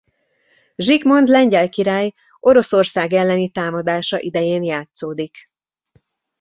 Zsigmond lengyel király Oroszország elleni támadása idején játszódik.